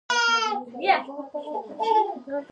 غږ یو فزیکي ښکارنده ده چې معنا بل ته لېږدوي